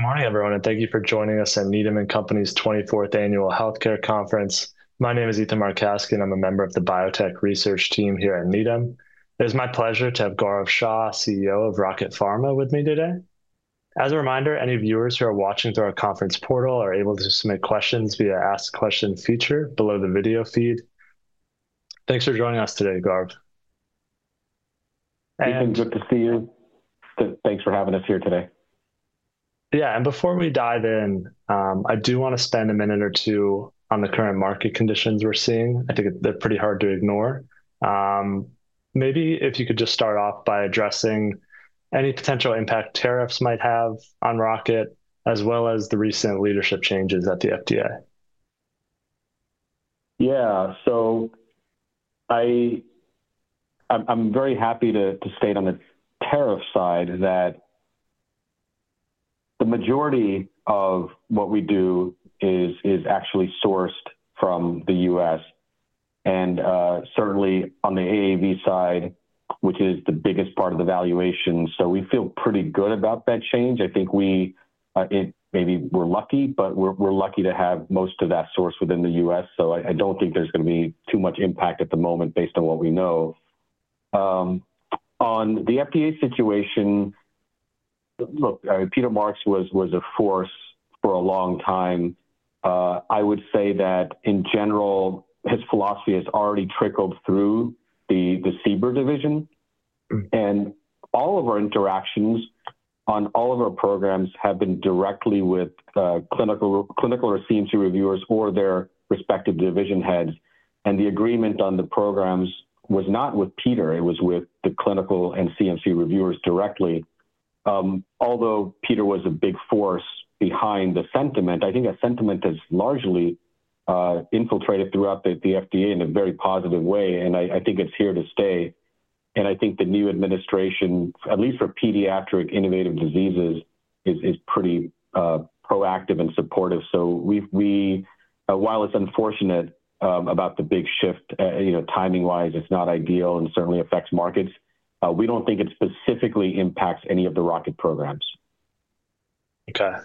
Good morning, everyone, and thank you for joining us at Needham & Company's 24th Annual Healthcare Conference. My name is Ethan Markowski, and I'm a member of the Biotech Research Team here at Needham. It is my pleasure to have Gaurav Shah, CEO of Rocket Pharmaceuticals, with me today. As a reminder, any viewers who are watching through our conference portal are able to submit questions via the Ask Question feature below the video feed. Thanks for joining us today, Gaurav. Ethan, good to see you. Thanks for having us here today. Yeah, and before we dive in, I do want to spend a minute or two on the current market conditions we're seeing. I think they're pretty hard to ignore. Maybe if you could just start off by addressing any potential impact tariffs might have on Rocket, as well as the recent leadership changes at the FDA. Yeah, so I'm very happy to state on the tariff side that the majority of what we do is actually sourced from the U.S. Certainly on the AAV side, which is the biggest part of the valuation, we feel pretty good about that change. I think we maybe were lucky, but we're lucky to have most of that sourced within the U.S., so I don't think there's going to be too much impact at the moment based on what we know. On the FDA situation, look, Peter Marks was a force for a long time. I would say that in general, his philosophy has already trickled through the CBER division. All of our interactions on all of our programs have been directly with clinical or CMC reviewers or their respective division heads. The agreement on the programs was not with Peter; it was with the clinical and CMC reviewers directly. Although Peter was a big force behind the sentiment, I think that sentiment has largely infiltrated throughout the FDA in a very positive way, and I think it's here to stay. I think the new administration, at least for pediatric innovative diseases, is pretty proactive and supportive. While it's unfortunate about the big shift, timing-wise, it's not ideal and certainly affects markets, we don't think it specifically impacts any of the Rocket programs. Okay,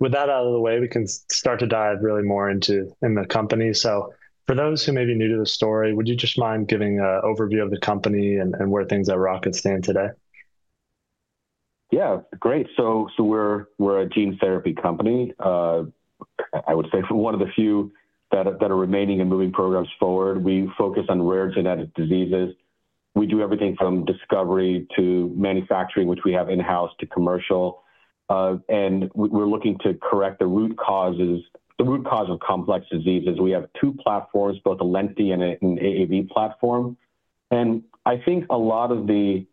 with that out of the way, we can start to dive really more into the company. For those who may be new to the story, would you just mind giving an overview of the company and where things at Rocket stand today? Yeah, great. We're a gene therapy company, I would say one of the few that are remaining and moving programs forward. We focus on rare genetic diseases. We do everything from discovery to manufacturing, which we have in-house, to commercial. We're looking to correct the root causes of complex diseases. We have two platforms, both a lentiviral and an AAV platform. I think a lot of the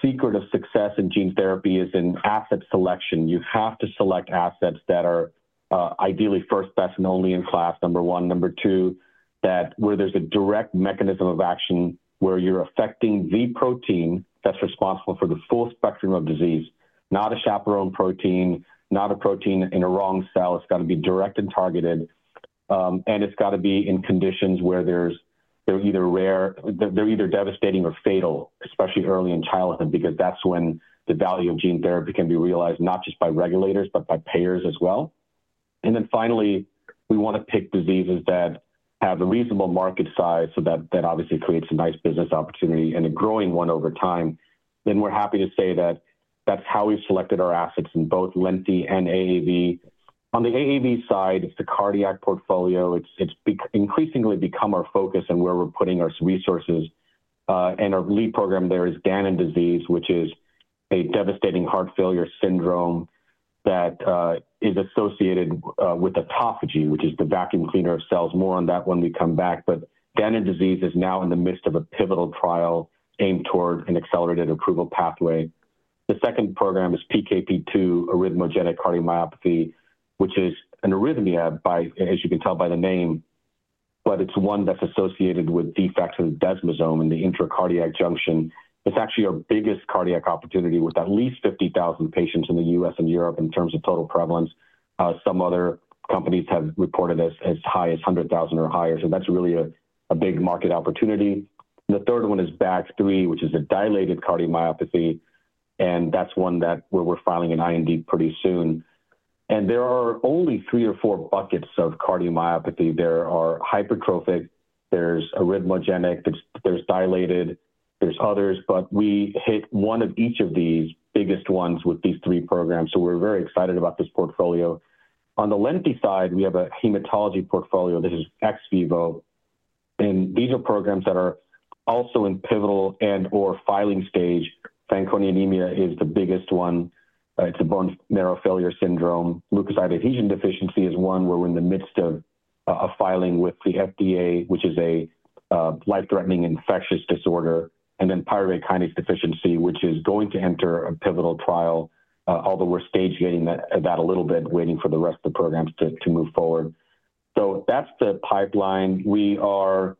secret of success in gene therapy is in asset selection. You have to select assets that are ideally first, best, and only in class, number one. Number two, where there's a direct mechanism of action where you're affecting the protein that's responsible for the full spectrum of disease, not a chaperone protein, not a protein in a wrong cell. It's got to be direct and targeted, and it's got to be in conditions where they're either devastating or fatal, especially early in childhood, because that's when the value of gene therapy can be realized, not just by regulators, but by payers as well. Finally, we want to pick diseases that have a reasonable market size, so that obviously creates a nice business opportunity and a growing one over time. We're happy to say that that's how we've selected our assets in both Lenti and AAV. On the AAV side, it's the cardiac portfolio. It's increasingly become our focus and where we're putting our resources. Our lead program there is Danon disease, which is a devastating heart failure syndrome that is associated with autophagy, which is the vacuum cleaner of cells. More on that when we come back. Danon disease is now in the midst of a pivotal trial aimed toward an accelerated approval pathway. The second program is PKP2 arrhythmogenic cardiomyopathy, which is an arrhythmia, as you can tell by the name, but it's one that's associated with defects in the desmosome and the intracardiac junction. It's actually our biggest cardiac opportunity with at least 50,000 patients in the U.S. and Europe in terms of total prevalence. Some other companies have reported as high as 100,000 or higher, so that's really a big market opportunity. The third one is BAG3, which is a dilated cardiomyopathy, and that's one where we're filing an IND pretty soon. There are only three or four buckets of cardiomyopathy. There are hypertrophic, there's arrhythmogenic, there's dilated, there's others, but we hit one of each of these biggest ones with these three programs, so we're very excited about this portfolio. On the lengthy side, we have a hematology portfolio that is ex vivo, and these are programs that are also in pivotal and/or filing stage. Fanconi anemia is the biggest one. It's a bone marrow failure syndrome. Leukocyte adhesion deficiency is one where we're in the midst of filing with the FDA, which is a life-threatening infectious disorder. Then pyruvate kinase deficiency, which is going to enter a pivotal trial, although we're stage gating that a little bit, waiting for the rest of the programs to move forward. That's the pipeline. Like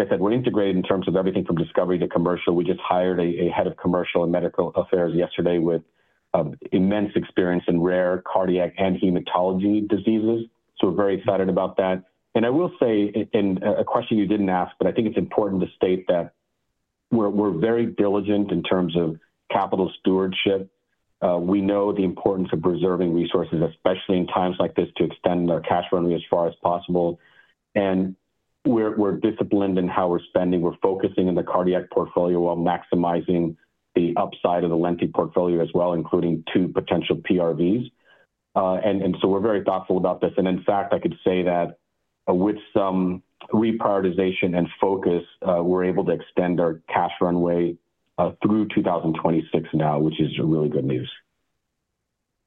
I said, we're integrated in terms of everything from discovery to commercial. We just hired a Head of Commercial and Medical Affairs yesterday with immense experience in rare cardiac and hematology diseases, so we're very excited about that. I will say, a question you did not ask, but I think it is important to state that we are very diligent in terms of capital stewardship. We know the importance of preserving resources, especially in times like this, to extend our cash revenue as far as possible. We are disciplined in how we are spending. We are focusing on the cardiac portfolio while maximizing the upside of the lentiviral portfolio as well, including two potential PRVs. We are very thoughtful about this. In fact, I could say that with some reprioritization and focus, we are able to extend our cash runway through 2026 now, which is really good news.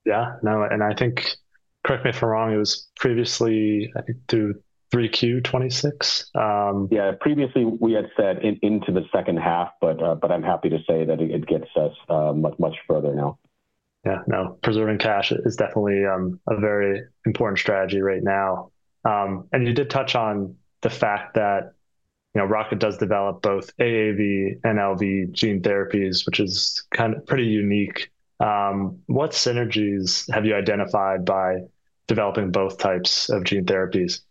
Yeah, no, and I think, correct me if I'm wrong, it was previously through 3Q 2026? Yeah, previously we had said into the second half, but I'm happy to say that it gets us much, much further now. Yeah, no, preserving cash is definitely a very important strategy right now. You did touch on the fact that Rocket does develop both AAV and LV gene therapies, which is kind of pretty unique. What synergies have you identified by developing both types of gene therapies?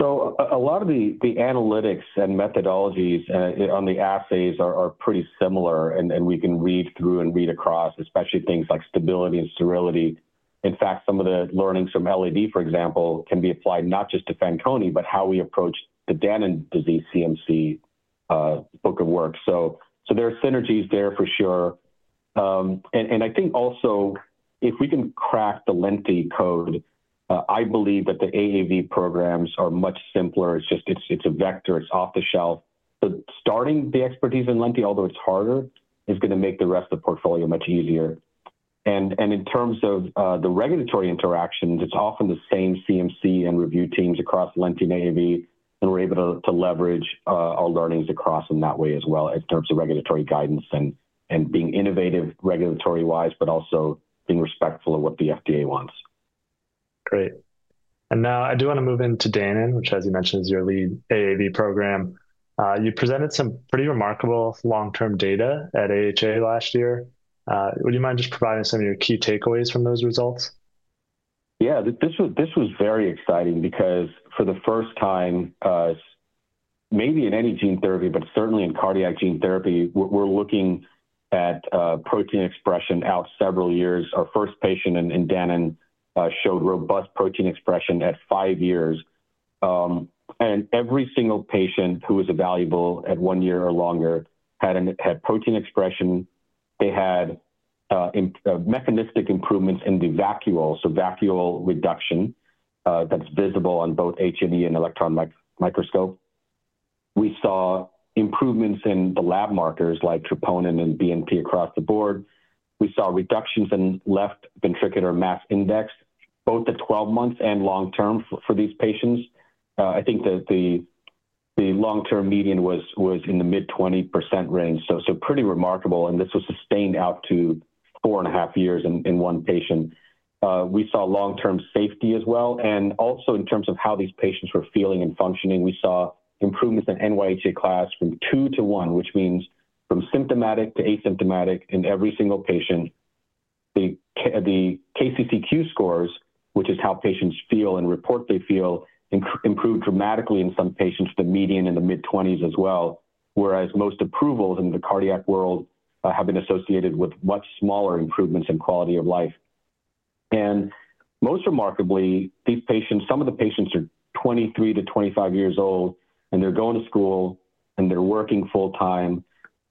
A lot of the analytics and methodologies on the assays are pretty similar, and we can read through and read across, especially things like stability and sterility. In fact, some of the learnings from LAD, for example, can be applied not just to Fanconi, but how we approach the Danon disease CMC book of work. There are synergies there for sure. I think also if we can crack the lengthy code, I believe that the AAV programs are much simpler. It's just a vector, it's off the shelf. Starting the expertise in lengthy, although it's harder, is going to make the rest of the portfolio much easier. In terms of the regulatory interactions, it's often the same CMC and review teams across lentiviral and AAV, and we're able to leverage our learnings across in that way as well, in terms of regulatory guidance and being innovative regulatory-wise, but also being respectful of what the FDA wants. Great. I do want to move into Danon, which, as you mentioned, is your lead AAV program. You presented some pretty remarkable long-term data at AHA last year. Would you mind just providing some of your key takeaways from those results? Yeah, this was very exciting because for the first time, maybe in any gene therapy, but certainly in cardiac gene therapy, we're looking at protein expression out several years. Our first patient in Danon showed robust protein expression at five years. Every single patient who was evaluable at one year or longer had protein expression. They had mechanistic improvements in the vacuole, so vacuole reduction that's visible on both H&E and electron microscope. We saw improvements in the lab markers like troponin and BNP across the board. We saw reductions in left ventricular mass index, both at 12 months and long-term for these patients. I think the long-term median was in the mid 20% range, so pretty remarkable. This was sustained out to four and a half years in one patient. We saw long-term safety as well. Also in terms of how these patients were feeling and functioning, we saw improvements in NYHA class from two to one, which means from symptomatic to asymptomatic in every single patient. The KCCQ scores, which is how patients feel and report they feel, improved dramatically in some patients with a median in the mid 20s as well, whereas most approvals in the cardiac world have been associated with much smaller improvements in quality of life. Most remarkably, some of the patients are 23-25 years old, and they're going to school, and they're working full-time.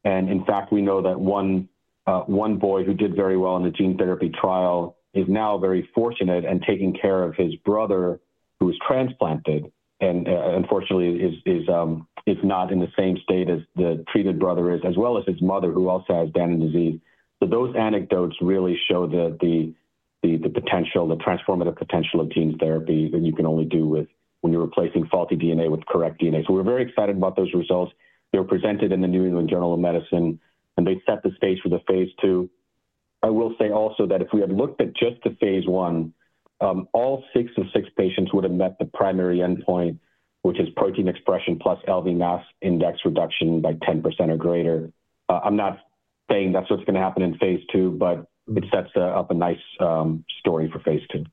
In fact, we know that one boy who did very well in the gene therapy trial is now very fortunate and taking care of his brother who was transplanted and unfortunately is not in the same state as the treated brother is, as well as his mother who also has Danon disease. Those anecdotes really show the potential, the transformative potential of gene therapy that you can only do when you're replacing faulty DNA with correct DNA. We are very excited about those results. They were presented in the New England Journal of Medicine, and they set the stage for the phase II. I will say also that if we had looked at just the phase I, all six of six patients would have met the primary endpoint, which is protein expression plus LV mass index reduction by 10% or greater. I'm not saying that's what's going to happen in phase II, but it sets up a nice story for phase II.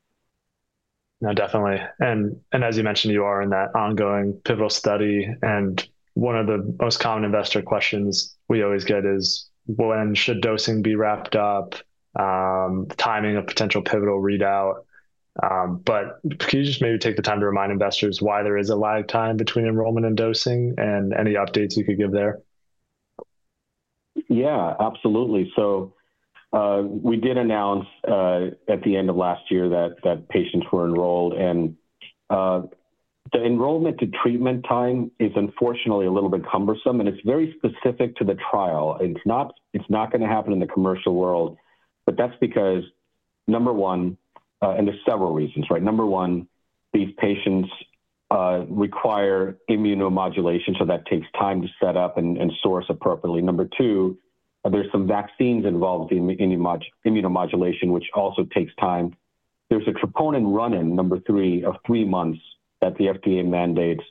No, definitely. As you mentioned, you are in that ongoing pivotal study. One of the most common investor questions we always get is, when should dosing be wrapped up, timing of potential pivotal readout? Could you just maybe take the time to remind investors why there is a lag time between enrollment and dosing and any updates you could give there? Yeah, absolutely. We did announce at the end of last year that patients were enrolled. The enrollment to treatment time is unfortunately a little bit cumbersome, and it's very specific to the trial. It's not going to happen in the commercial world, but that's because, number one, and there's several reasons, right? Number one, these patients require immunomodulation, so that takes time to set up and source appropriately. Number two, there's some vaccines involved in immunomodulation, which also takes time. There's a troponin run-in, number three, of three months that the FDA mandates.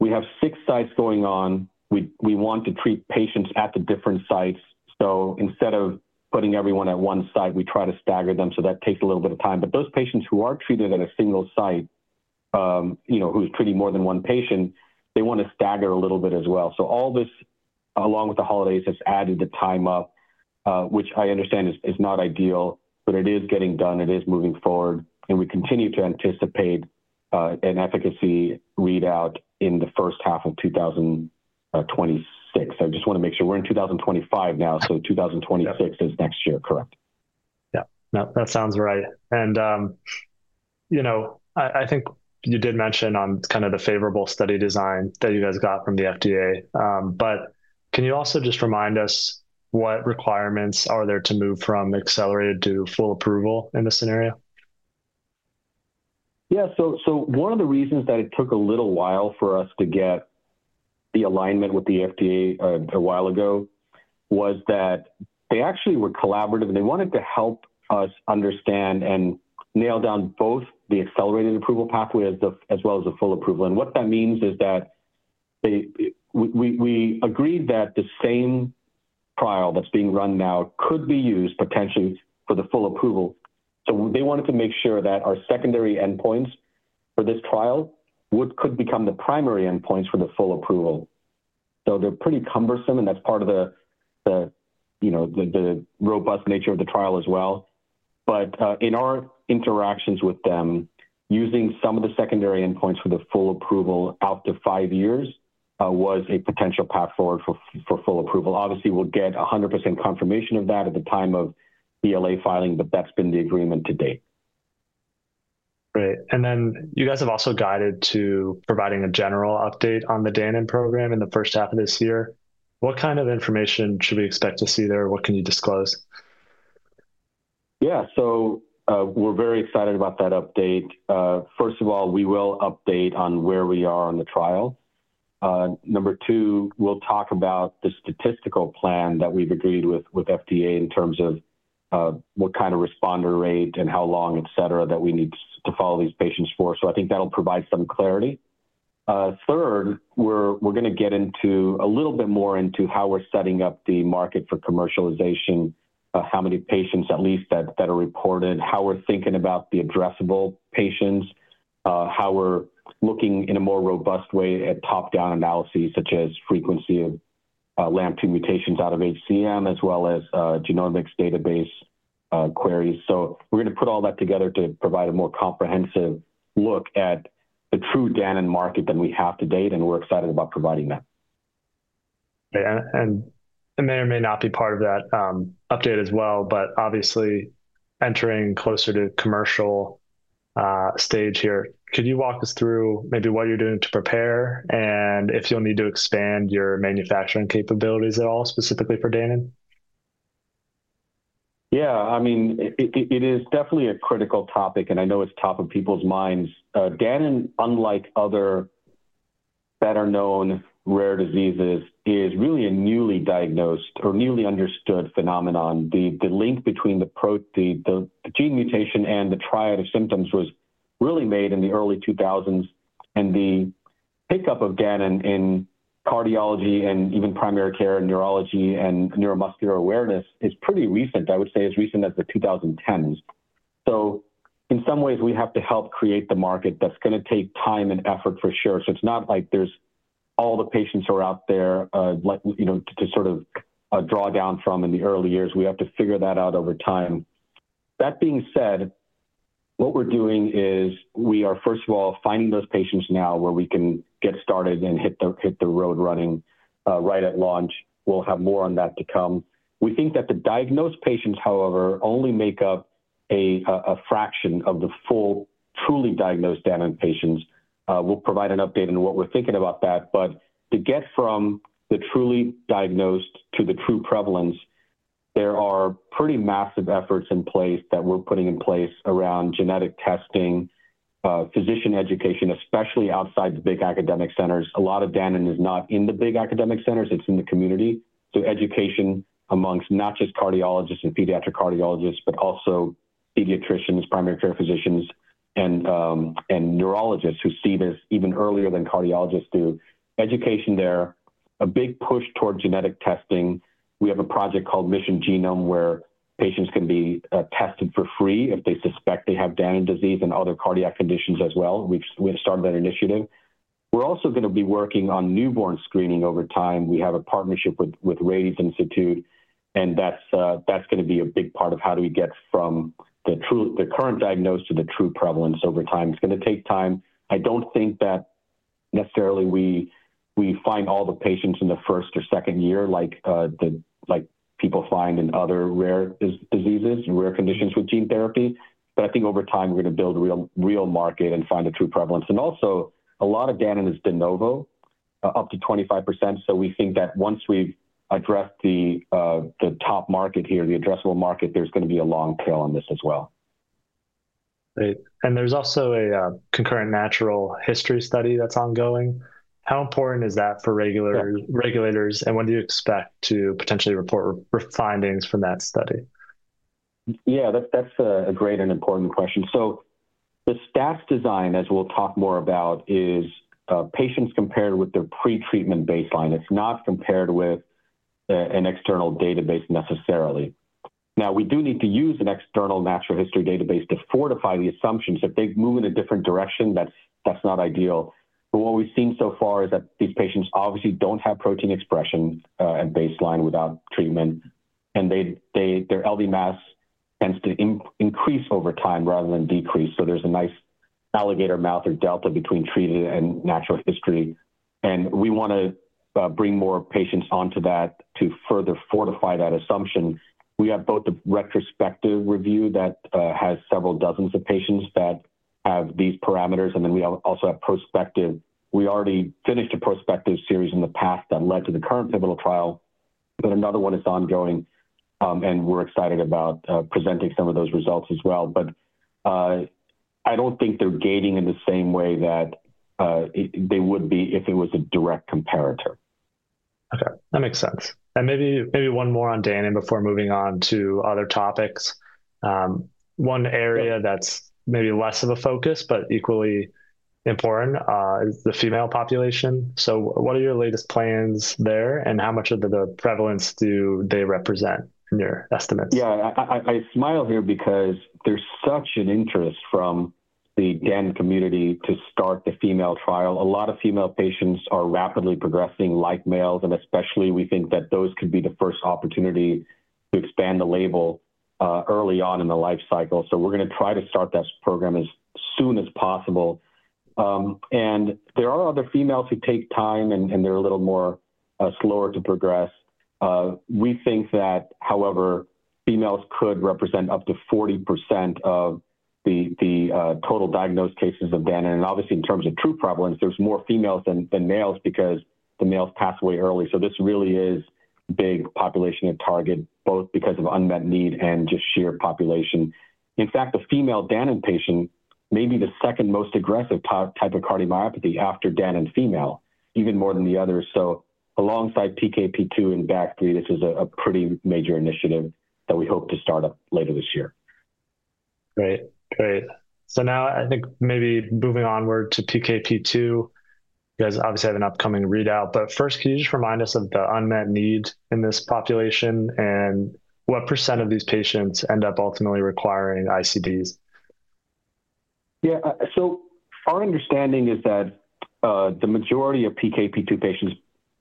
We have six sites going on. We want to treat patients at the different sites. Instead of putting everyone at one site, we try to stagger them. That takes a little bit of time. Those patients who are treated at a single site, who's treating more than one patient, they want to stagger a little bit as well. All this, along with the holidays, has added the time up, which I understand is not ideal, but it is getting done. It is moving forward. We continue to anticipate an efficacy readout in the first half of 2026. I just want to make sure we're in 2025 now, so 2026 is next year, correct? Yeah, that sounds right. I think you did mention on kind of the favorable study design that you guys got from the FDA, but can you also just remind us what requirements are there to move from accelerated to full approval in this scenario? Yeah, one of the reasons that it took a little while for us to get the alignment with the FDA a while ago was that they actually were collaborative, and they wanted to help us understand and nail down both the accelerated approval pathway as well as the full approval. What that means is that we agreed that the same trial that's being run now could be used potentially for the full approval. They wanted to make sure that our secondary endpoints for this trial could become the primary endpoints for the full approval. They're pretty cumbersome, and that's part of the robust nature of the trial as well. In our interactions with them, using some of the secondary endpoints for the full approval out to five years was a potential path forward for full approval. Obviously, we'll get 100% confirmation of that at the time of BLA filing, but that's been the agreement to date. Great. You guys have also guided to providing a general update on the Danon program in the first half of this year. What kind of information should we expect to see there? What can you disclose? Yeah, so we're very excited about that update. First of all, we will update on where we are on the trial. Number two, we'll talk about the statistical plan that we've agreed with FDA in terms of what kind of responder rate and how long, et cetera, that we need to follow these patients for. I think that'll provide some clarity. Third, we're going to get into a little bit more into how we're setting up the market for commercialization, how many patients at least that are reported, how we're thinking about the addressable patients, how we're looking in a more robust way at top-down analysis, such as frequency of LAMP2 mutations out of HCM, as well as genomics database queries. We're going to put all that together to provide a more comprehensive look at the true Danon market than we have to date, and we're excited about providing that. It may or may not be part of that update as well, but obviously entering closer to commercial stage here. Could you walk us through maybe what you're doing to prepare and if you'll need to expand your manufacturing capabilities at all specifically for Danon? Yeah, I mean, it is definitely a critical topic, and I know it's top of people's minds. Danon, unlike other better-known rare diseases, is really a newly diagnosed or newly understood phenomenon. The link between the gene mutation and the triad of symptoms was really made in the early 2000s. The pickup of Danon in cardiology and even primary care and neurology and neuromuscular awareness is pretty recent. I would say as recent as the 2010s. In some ways, we have to help create the market. That's going to take time and effort for sure. It's not like there's all the patients who are out there to sort of draw down from in the early years. We have to figure that out over time. That being said, what we're doing is we are, first of all, finding those patients now where we can get started and hit the road running right at launch. We'll have more on that to come. We think that the diagnosed patients, however, only make up a fraction of the full truly diagnosed Danon patients. We'll provide an update on what we're thinking about that. To get from the truly diagnosed to the true prevalence, there are pretty massive efforts in place that we're putting in place around genetic testing, physician education, especially outside the big academic centers. A lot of Danon is not in the big academic centers. It's in the community. Education amongst not just cardiologists and pediatric cardiologists, but also pediatricians, primary care physicians, and neurologists who see this even earlier than cardiologists do. Education there, a big push toward genetic testing. We have a project called Mission Genome where patients can be tested for free if they suspect they have Danon disease and other cardiac conditions as well. We've started that initiative. We're also going to be working on newborn screening over time. We have a partnership with Rady's Institute, and that's going to be a big part of how do we get from the current diagnosed to the true prevalence over time. It's going to take time. I don't think that necessarily we find all the patients in the first or second year like people find in other rare diseases and rare conditions with gene therapy. I think over time we're going to build a real market and find the true prevalence. Also a lot of Danon is de novo, up to 25%. We think that once we've addressed the top market here, the addressable market, there's going to be a long tail on this as well. Great. There is also a concurrent natural history study that is ongoing. How important is that for regulators? When do you expect to potentially report findings from that study? Yeah, that's a great and important question. The stats design, as we'll talk more about, is patients compared with their pre-treatment baseline. It's not compared with an external database necessarily. Now, we do need to use an external natural history database to fortify the assumptions. If they move in a different direction, that's not ideal. What we've seen so far is that these patients obviously don't have protein expression at baseline without treatment, and their LV mass tends to increase over time rather than decrease. There's a nice alligator mouth or delta between treated and natural history. We want to bring more patients onto that to further fortify that assumption. We have both the retrospective review that has several dozens of patients that have these parameters, and then we also have prospective. We already finished a prospective series in the past that led to the current pivotal trial, but another one is ongoing, and we're excited about presenting some of those results as well. I don't think they're gating in the same way that they would be if it was a direct comparator. Okay, that makes sense. Maybe one more on Danon before moving on to other topics. One area that's maybe less of a focus, but equally important, is the female population. What are your latest plans there, and how much of the prevalence do they represent in your estimates? Yeah, I smile here because there's such an interest from the Danon community to start the female trial. A lot of female patients are rapidly progressing like males, and especially we think that those could be the first opportunity to expand the label early on in the life cycle. We're going to try to start that program as soon as possible. There are other females who take time, and they're a little more slower to progress. We think that, however, females could represent up to 40% of the total diagnosed cases of Danon. Obviously, in terms of true prevalence, there's more females than males because the males pass away early. This really is a big population of target, both because of unmet need and just sheer population. In fact, the female Danon patient may be the second most aggressive type of cardiomyopathy after Danon female, even more than the others. Alongside PKP2 and BAG3, this is a pretty major initiative that we hope to start up later this year. Great, great. I think maybe moving onward to PKP2, you guys obviously have an upcoming readout. First, can you just remind us of the unmet need in this population and what percent of these patients end up ultimately requiring ICDs? Yeah, so our understanding is that the majority of PKP2 patients,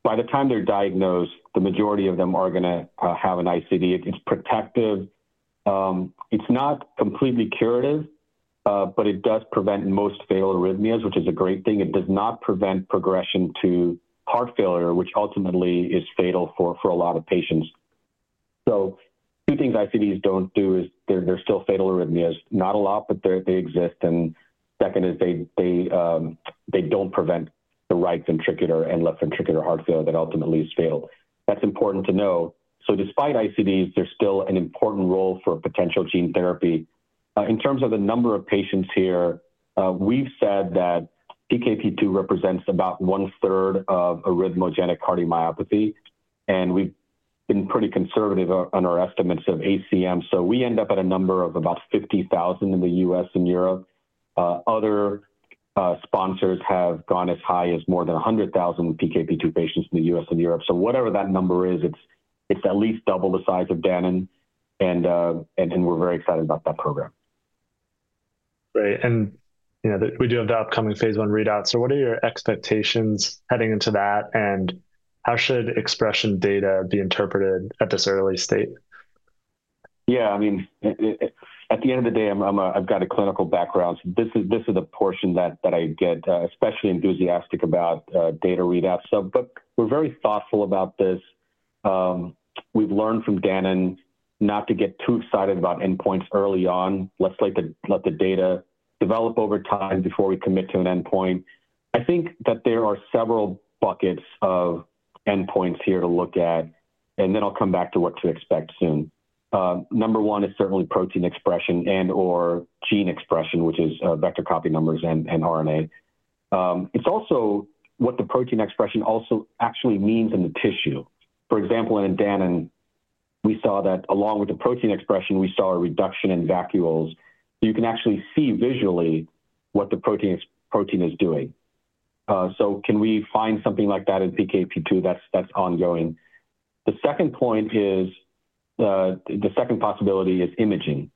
by the time they're diagnosed, the majority of them are going to have an ICD. It's protective. It's not completely curative, but it does prevent most fatal arrhythmias, which is a great thing. It does not prevent progression to heart failure, which ultimately is fatal for a lot of patients. Two things ICDs don't do is they're still fatal arrhythmias. Not a lot, but they exist. Second is they don't prevent the right ventricular and left ventricular heart failure that ultimately is fatal. That's important to know. Despite ICDs, there's still an important role for potential gene therapy. In terms of the number of patients here, we've said that PKP2 represents about one-third of arrhythmogenic cardiomyopathy, and we've been pretty conservative on our estimates of ACM. We end up at a number of about 50,000 in the U.S. and Europe. Other sponsors have gone as high as more than 100,000 PKP2 patients in the U.S. and Europe. Whatever that number is, it's at least double the size of Danon, and we're very excited about that program. Great. We do have the upcoming phase I readout. What are your expectations heading into that, and how should expression data be interpreted at this early stage? Yeah, I mean, at the end of the day, I've got a clinical background. This is the portion that I get especially enthusiastic about, data readouts. We are very thoughtful about this. We've learned from Danon not to get too excited about endpoints early on. Let's let the data develop over time before we commit to an endpoint. I think that there are several buckets of endpoints here to look at, and then I'll come back to what to expect soon. Number one is certainly protein expression and/or gene expression, which is vector copy numbers and RNA. It's also what the protein expression also actually means in the tissue. For example, in Danon, we saw that along with the protein expression, we saw a reduction in vacuoles. You can actually see visually what the protein is doing. Can we find something like that in PKP2? That's ongoing. The second point is the second possibility is imaging,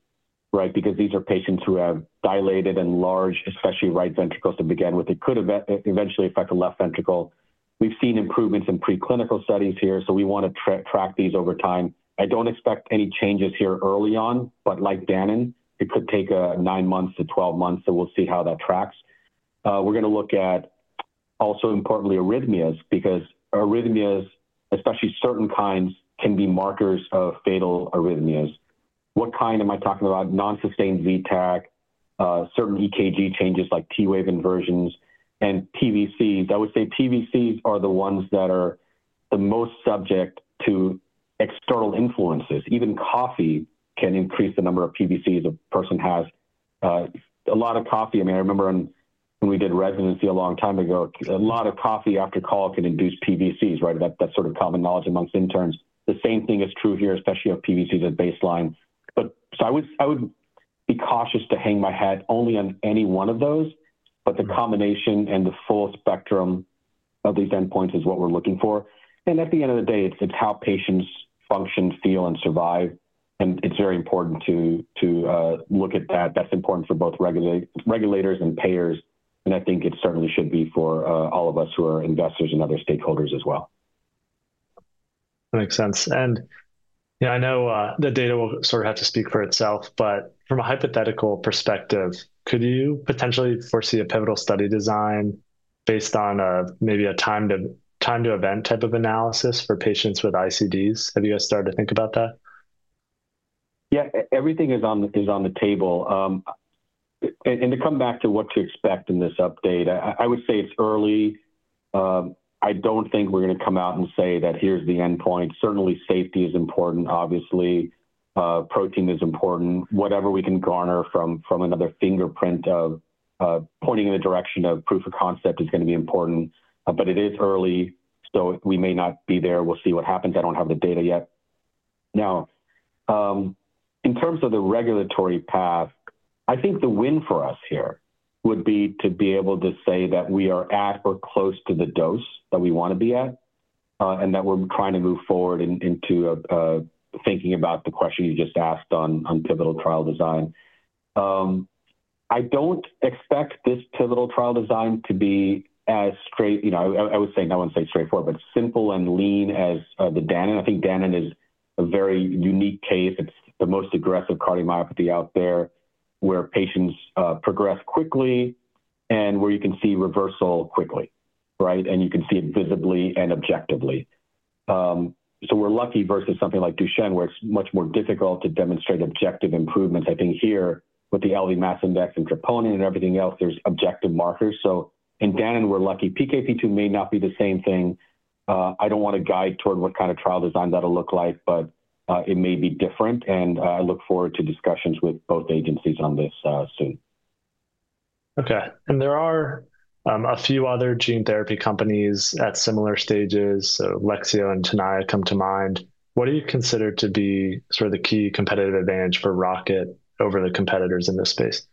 right? Because these are patients who have dilated and large, especially right ventricles to begin with. It could eventually affect the left ventricle. We've seen improvements in preclinical studies here, so we want to track these over time. I don't expect any changes here early on, but like Danon, it could take nine months to twelve months, so we'll see how that tracks. We're going to look at also importantly arrhythmias because arrhythmias, especially certain kinds, can be markers of fatal arrhythmias. What kind am I talking about? Non-sustained V-tach, certain EKG changes like T-wave inversions, and PVCs. I would say PVCs are the ones that are the most subject to external influences. Even coffee can increase the number of PVCs a person has. A lot of coffee, I mean, I remember when we did residency a long time ago, a lot of coffee after cough can induce PVCs, right? That's sort of common knowledge amongst interns. The same thing is true here, especially if PVCs are baseline. I would be cautious to hang my hat only on any one of those, but the combination and the full spectrum of these endpoints is what we're looking for. At the end of the day, it's how patients function, feel, and survive, and it's very important to look at that. That's important for both regulators and payers, and I think it certainly should be for all of us who are investors and other stakeholders as well. That makes sense. I know the data will sort of have to speak for itself, but from a hypothetical perspective, could you potentially foresee a pivotal study design based on maybe a time-to-event type of analysis for patients with ICDs? Have you guys started to think about that? Yeah, everything is on the table. To come back to what to expect in this update, I would say it's early. I don't think we're going to come out and say that here's the endpoint. Certainly, safety is important. Obviously, protein is important. Whatever we can garner from another fingerprint of pointing in the direction of proof of concept is going to be important, but it is early, so we may not be there. We'll see what happens. I don't have the data yet. Now, in terms of the regulatory path, I think the win for us here would be to be able to say that we are at or close to the dose that we want to be at and that we're trying to move forward into thinking about the question you just asked on pivotal trial design. I don't expect this pivotal trial design to be as straight. I would say, I won't say straightforward, but simple and lean as the Danon. I think Danon is a very unique case. It's the most aggressive cardiomyopathy out there where patients progress quickly and where you can see reversal quickly, right? You can see it visibly and objectively. We're lucky versus something like Duchenne, where it's much more difficult to demonstrate objective improvements. I think here with the LV mass index and troponin and everything else, there's objective markers. In Danon, we're lucky. PKP2 may not be the same thing. I don't want to guide toward what kind of trial design that'll look like, but it may be different, and I look forward to discussions with both agencies on this soon. Okay. There are a few other gene therapy companies at similar stages, so Lexeo and Tenaya come to mind. What do you consider to be sort of the key competitive advantage for Rocket over the competitors in this space?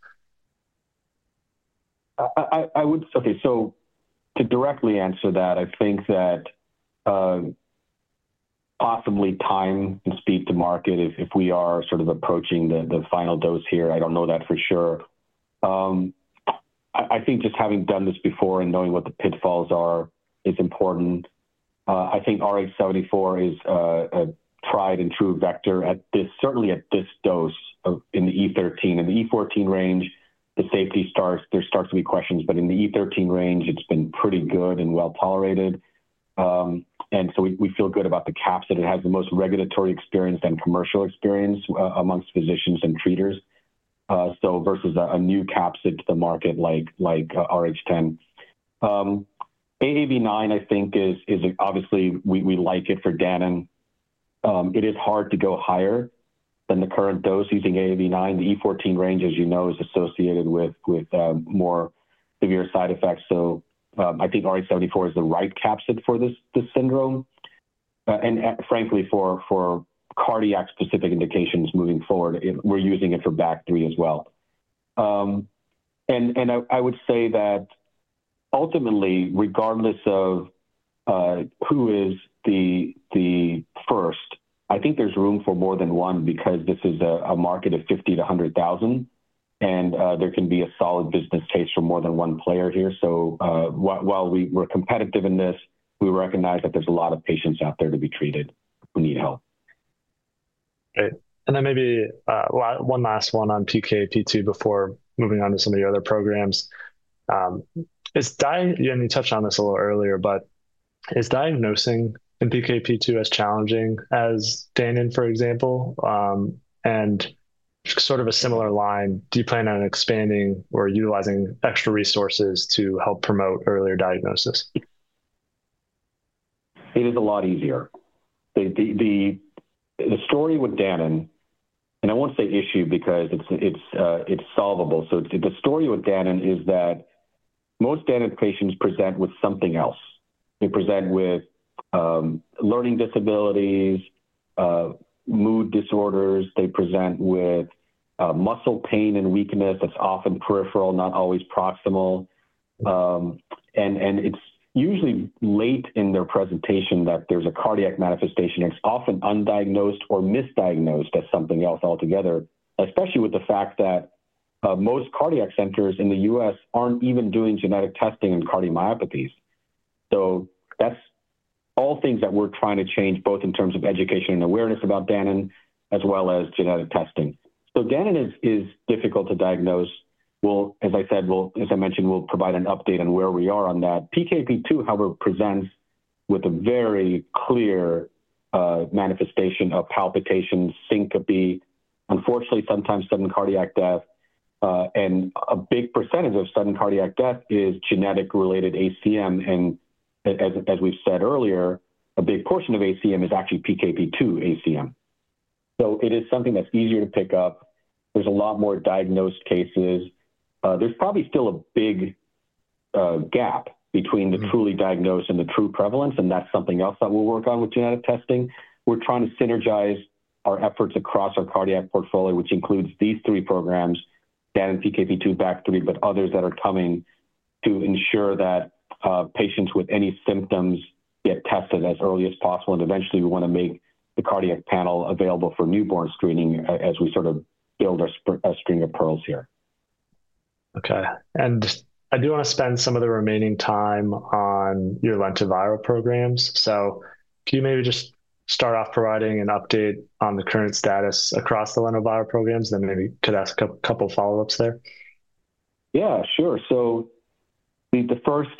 Okay, so to directly answer that, I think that possibly time and speed to market if we are sort of approaching the final dose here. I do not know that for sure. I think just having done this before and knowing what the pitfalls are is important. I think rh74 is a tried and true vector, certainly at this dose in the E13. In the E14 range, the safety starts to be questioned, but in the E13 range, it has been pretty good and well tolerated. We feel good about the capsid. It has the most regulatory experience and commercial experience amongst physicians and treaters, so versus a new capsid to the market like rh10. AAV9, I think, is obviously we like it for Danon. It is hard to go higher than the current dose using AAV9. The E14 range, as you know, is associated with more severe side effects. I think rh74 is the right capsid for this syndrome. Frankly, for cardiac-specific indications moving forward, we're using it for BAG3 as well. I would say that ultimately, regardless of who is the first, I think there's room for more than one because this is a market of 50,000-100,000, and there can be a solid business case for more than one player here. While we're competitive in this, we recognize that there's a lot of patients out there to be treated who need help. Great. Maybe one last one on PKP2 before moving on to some of the other programs. You touched on this a little earlier, but is diagnosing in PKP2 as challenging as Danon, for example? Sort of a similar line, do you plan on expanding or utilizing extra resources to help promote earlier diagnosis? It is a lot easier. The story with Danon, and I won't say issue because it's solvable. The story with Danon is that most Danon patients present with something else. They present with learning disabilities, mood disorders. They present with muscle pain and weakness that's often peripheral, not always proximal. It's usually late in their presentation that there's a cardiac manifestation. It's often undiagnosed or misdiagnosed as something else altogether, especially with the fact that most cardiac centers in the U.S. aren't even doing genetic testing in cardiomyopathies. That's all things that we're trying to change, both in terms of education and awareness about Danon, as well as genetic testing. Danon is difficult to diagnose. As I said, as I mentioned, we'll provide an update on where we are on that. PKP2, however, presents with a very clear manifestation of palpitations, syncope, unfortunately, sometimes sudden cardiac death. A big percentage of sudden cardiac death is genetic-related ACM. As we've said earlier, a big portion of ACM is actually PKP2 ACM. It is something that's easier to pick up. There are a lot more diagnosed cases. There's probably still a big gap between the truly diagnosed and the true prevalence, and that's something else that we'll work on with genetic testing. We're trying to synergize our efforts across our cardiac portfolio, which includes these three programs, Danon, PKP2, BAG3, but others that are coming to ensure that patients with any symptoms get tested as early as possible. Eventually, we want to make the cardiac panel available for newborn screening as we sort of build a string of pearls here. Okay. I do want to spend some of the remaining time on your lentiviral programs. Can you maybe just start off providing an update on the current status across the lentiviral programs? Maybe could ask a couple of follow-ups there. Yeah, sure. The first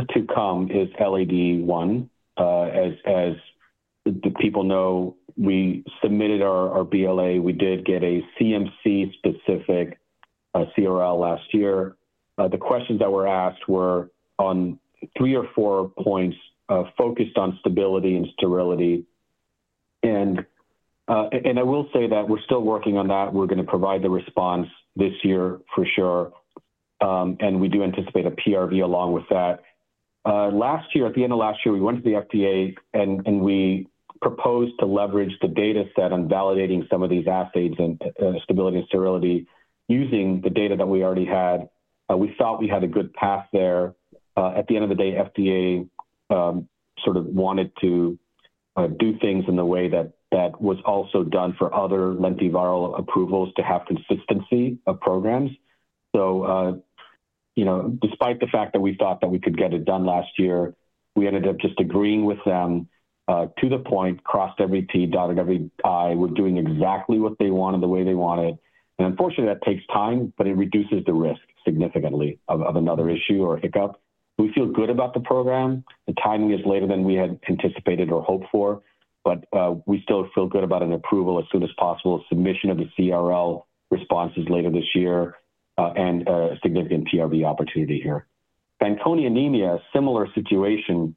to come is LAD-1. As people know, we submitted our BLA. We did get a CMC-specific CRL last year. The questions that were asked were on three or four points focused on stability and sterility. I will say that we're still working on that. We're going to provide the response this year for sure, and we do anticipate a PRV along with that. Last year, at the end of last year, we went to the FDA, and we proposed to leverage the data set on validating some of these assays and stability and sterility using the data that we already had. We thought we had a good path there. At the end of the day, FDA sort of wanted to do things in the way that was also done for other lentiviral approvals to have consistency of programs. Despite the fact that we thought that we could get it done last year, we ended up just agreeing with them to the point, crossed every T, dotted every I. We're doing exactly what they want and the way they want it. Unfortunately, that takes time, but it reduces the risk significantly of another issue or hiccup. We feel good about the program. The timing is later than we had anticipated or hoped for, but we still feel good about an approval as soon as possible, submission of the CRL responses later this year, and a significant PRV opportunity here. Fanconi anemia, similar situation.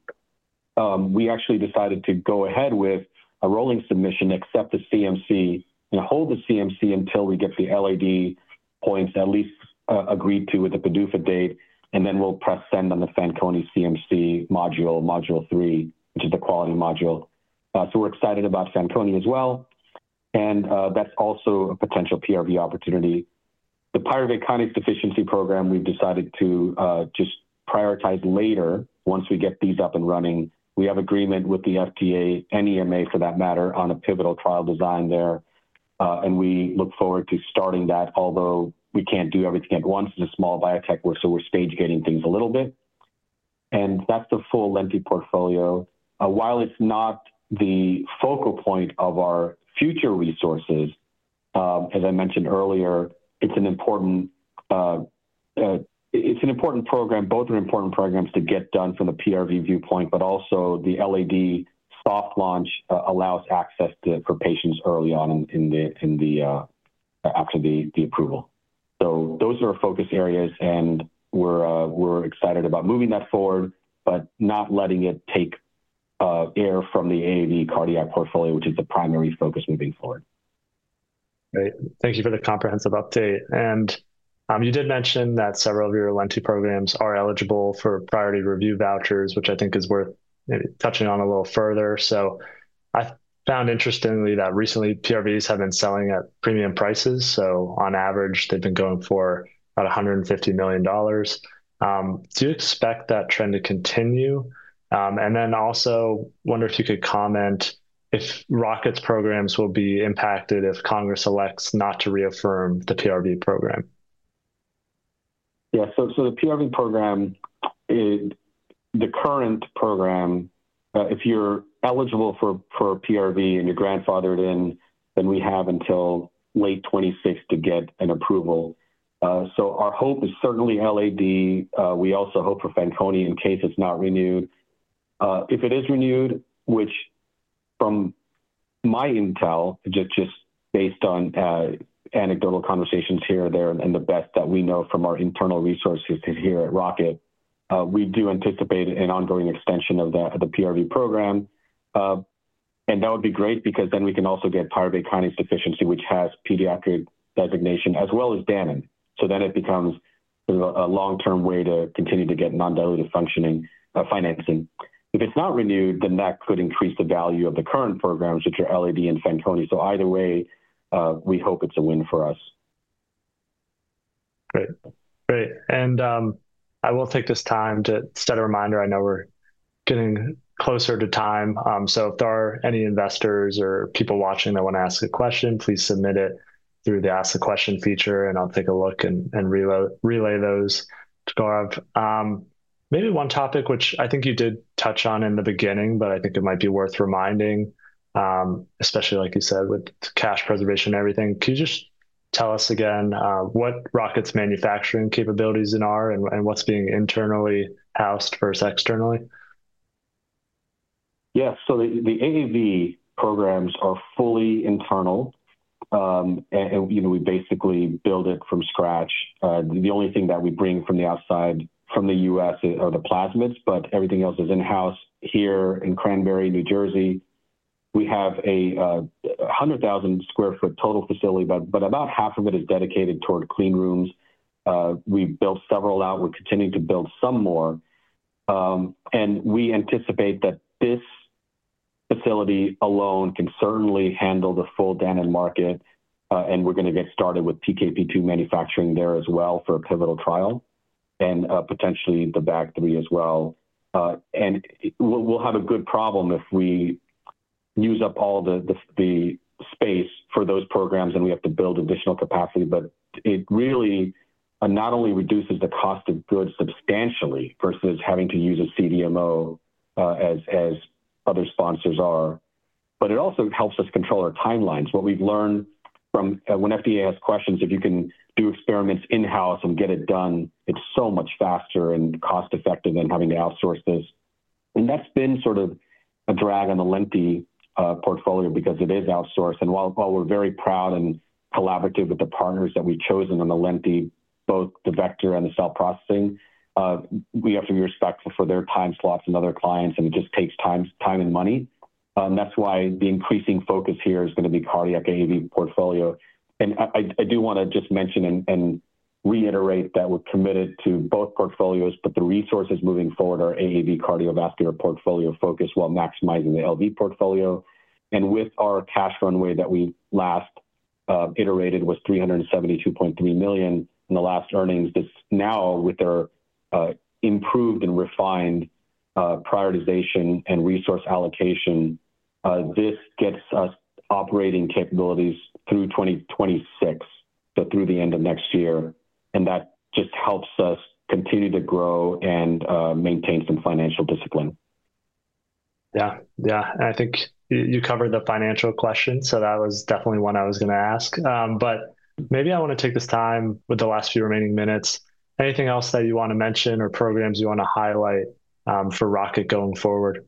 We actually decided to go ahead with a rolling submission, accept the CMC, and hold the CMC until we get the LAD points at least agreed to with the PDUFA date, and then we'll press send on the Fanconi CMC module, module three, which is the quality module. We are excited about Fanconi as well, and that's also a potential PRV opportunity. The Pyruvate Kinase Deficiency Program, we've decided to just prioritize later once we get these up and running. We have agreement with the FDA, EMA for that matter, on a pivotal trial design there, and we look forward to starting that, although we can't do everything at once. It's a small biotech, so we're stage-gating things a little bit. That's the full lentiportfolio. While it's not the focal point of our future resources, as I mentioned earlier, it's an important program, both important programs to get done from the PRV viewpoint, but also the LAD soft launch allows access for patients early on after the approval. Those are our focus areas, and we're excited about moving that forward, not letting it take air from the AAV cardiac portfolio, which is the primary focus moving forward. Great. Thank you for the comprehensive update. You did mention that several of your lenti programs are eligible for priority review vouchers, which I think is worth touching on a little further. I found interestingly that recently PRVs have been selling at premium prices. On average, they've been going for about $150 million. Do you expect that trend to continue? I also wonder if you could comment if Rocket's programs will be impacted if Congress elects not to reaffirm the PRV program. Yeah. So the PRV program, the current program, if you're eligible for PRV and you're grandfathered in, then we have until late 2026 to get an approval. Our hope is certainly LAD. We also hope for Fanconi in case it's not renewed. If it is renewed, which from my intel, just based on anecdotal conversations here and there and the best that we know from our internal resources here at Rocket, we do anticipate an ongoing extension of the PRV program. That would be great because then we can also get Pyruvate Kinase Deficiency, which has pediatric designation, as well as Danon. Then it becomes a long-term way to continue to get non-dilutive financing. If it's not renewed, that could increase the value of the current programs, which are LAD and Fanconi. Either way, we hope it's a win for us. Great. Great. I will take this time to set a reminder. I know we're getting closer to time. If there are any investors or people watching that want to ask a question, please submit it through the Ask the Question feature, and I'll take a look and relay those to Gaurav. Maybe one topic which I think you did touch on in the beginning, but I think it might be worth reminding, especially like you said with cash preservation and everything. Can you just tell us again what Rocket's manufacturing capabilities are and what's being internally housed versus externally? Yeah. The AAV programs are fully internal, and we basically build it from scratch. The only thing that we bring from the outside from the U.S. are the plasmids, but everything else is in-house. Here in Cranbury, New Jersey, we have a 100,000 sq ft total facility, but about half of it is dedicated toward clean rooms. We've built several out. We're continuing to build some more. We anticipate that this facility alone can certainly handle the full Danon market, and we're going to get started with PKP2 manufacturing there as well for a pivotal trial and potentially the BAG3 as well. We'll have a good problem if we use up all the space for those programs and we have to build additional capacity. It really not only reduces the cost of goods substantially versus having to use a CDMO as other sponsors are, but it also helps us control our timelines. What we've learned from when FDA has questions, if you can do experiments in-house and get it done, it's so much faster and cost-effective than having to outsource this. That's been sort of a drag on the lentiportfolio because it is outsourced. While we're very proud and collaborative with the partners that we've chosen on the lenti, both the vector and the cell processing, we have to be respectful for their time slots and other clients, and it just takes time and money. That's why the increasing focus here is going to be cardiac AAV portfolio. I do want to just mention and reiterate that we're committed to both portfolios, but the resources moving forward are AAV cardiovascular portfolio focus while maximizing the LV portfolio. With our cash runway that we last iterated was $372.3 million in the last earnings, now with their improved and refined prioritization and resource allocation, this gets us operating capabilities through 2026, so through the end of next year. That just helps us continue to grow and maintain some financial discipline. Yeah. Yeah. I think you covered the financial question, so that was definitely one I was going to ask. Maybe I want to take this time with the last few remaining minutes. Anything else that you want to mention or programs you want to highlight for Rocket going forward?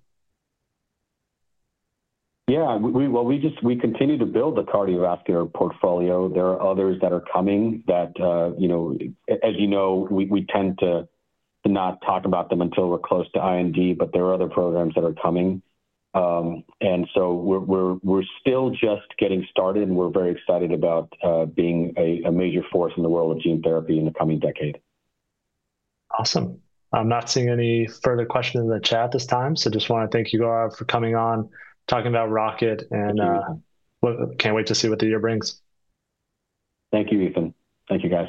Yeah. We continue to build the cardiovascular portfolio. There are others that are coming that, as you know, we tend to not talk about them until we're close to IND, but there are other programs that are coming. We are still just getting started, and we're very excited about being a major force in the world of gene therapy in the coming decade. Awesome. I'm not seeing any further questions in the chat at this time, so I just want to thank you, Gaurav, for coming on, talking about Rocket, and can't wait to see what the year brings. Thank you, Ethan. Thank you, guys.